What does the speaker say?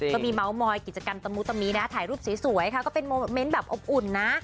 ก็มีเมาส์มอยกิจกรรมตะมุตะมินะถ่ายรูปสวยค่ะก็เป็นโมเมนต์แบบอบอุ่นนะ